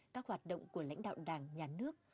các hoạt động của lãnh đạo đảng nhà nước